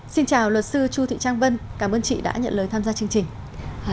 xin chào luật sư chu thị trang vân cảm ơn chị đã nhận lời tham gia chương trình